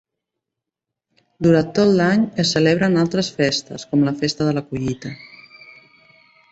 Durant tot l'any es celebren altres festes, com la festa de la collita.